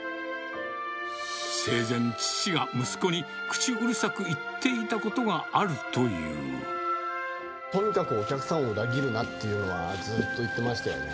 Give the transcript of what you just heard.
生前、父が息子に口うるさくとにかくお客さんを裏切るなっていうのは、ずっと言ってましたよね。